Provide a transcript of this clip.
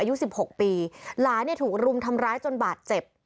อายุสิบหกปีหลานเนี่ยถูกรุมทำร้ายจนบาดเจ็บ